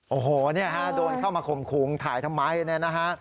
โอ้โฮนี่ฮะโดนเข้ามาข่งขุงถ่ายทำไมนะฮะ